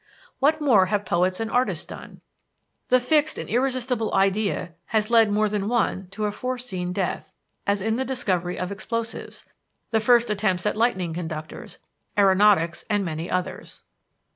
What more have poets and artists done? The fixed and irresistible idea has led more than one to a foreseen death, as in the discovery of explosives, the first attempts at lightning conductors, aeronautics, and many others.